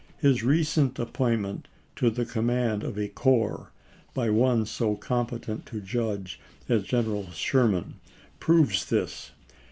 His recent appointment to the com mand of a corps, by one so competent to judge as Gen eral Sherman, proves this.